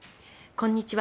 こんにちは。